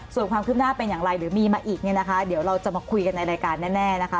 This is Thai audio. ส่วนความคืบหน้าเป็นอย่างไรหรือมีมาอีกเนี่ยนะคะเดี๋ยวเราจะมาคุยกันในรายการแน่นะคะ